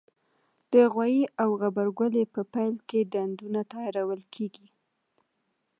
د غويي او غبرګولي په پیل کې ډنډونه تیارول کېږي.